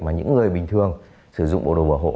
mà những người bình thường sử dụng bộ đồ bảo hộ